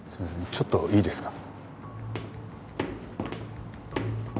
ちょっといいですか？